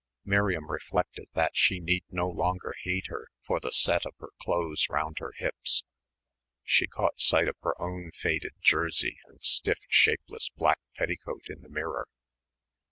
Miriam reflected that she need no longer hate her for the set of her clothes round her hips. She caught sight of her own faded jersey and stiff, shapeless black petticoat in the mirror.